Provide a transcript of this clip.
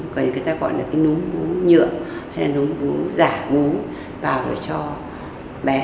còn người ta gọi là cái núm bú nhựa hay là núm bú giả bú vào rồi cho bé